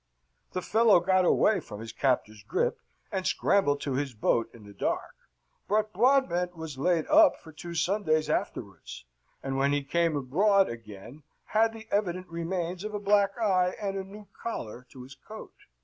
The fellow got away from his captor's grip, and scrambled to his boat in the dark; but Broadbent was laid up for two Sundays afterwards, and when he came abroad again had the evident remains of a black eye and a new collar to his coat.